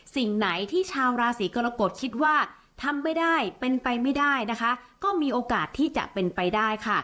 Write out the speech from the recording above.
สิ่งไหนที่ชาวราศีกรกฎคิดว่าทำไม่ได้เป็นไปไม่ได้นะคะก็มีโอกาสที่จะเป็นไปได้ค่ะ